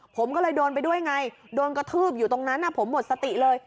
ผมก็เลยโดนไปด้วยไงโดนกระทืบอยู่ตรงนั้นผมหมดสติเลย